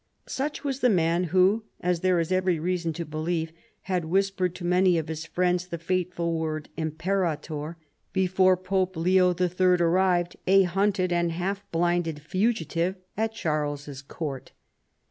Such was the man who, as there is every reason to believe, had whispered to many of his friends the fateful word " Imperator " before Pope Leo III. arrived, a hunted and half blinded fugitive, at Charles's court.